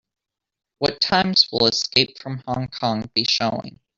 What times will Escape from Hong Kong be showing?